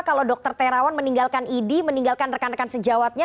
kalau dr terawan meninggalkan id meninggalkan rekan rekan sejawatnya